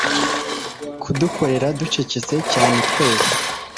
Kudukorera ducecetse cyane twese